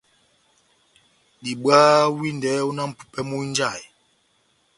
Diwaha windɛ ó náh mʼpupɛ múhínjahe.